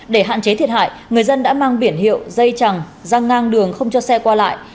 để hạn chế thiệt hại người dân đã mang biển hiệu dây chẳng răng ngang đường không cho xe qua lại